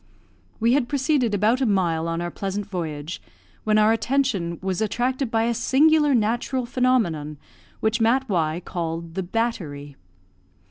We had proceeded about a mile on our pleasant voyage, when our attention was attracted by a singular natural phenomenon, which Mat Y called the battery.